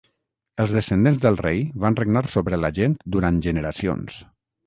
Els descendents del rei van regnar sobre la gent durant generacions.